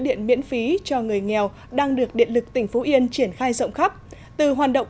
điện miễn phí cho người nghèo đang được điện lực tỉnh phú yên triển khai rộng khắp từ hoạt động